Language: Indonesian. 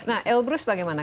nah elbrus bagaimana